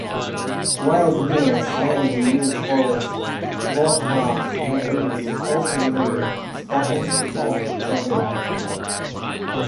While beginners mainly use balls, both clubs and rings also remain staples of juggling.